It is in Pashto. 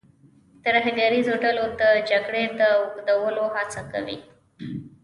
ترهګریزو ډلو د جګړې د اوږدولو هڅه کوي.